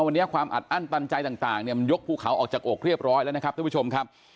วันนี้ความอัดอั้นตันใจต่างเนี่ยมันยกภูเขาออกจากอกเรียบร้อยแล้วนะครับท่านผู้ชมครับ